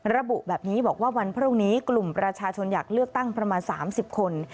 ระบุแบบนี้บอกว่าวันพรุ่งนี้กลุ่มประชาชนอยากเลือกตั้งประมาณ๓๐คน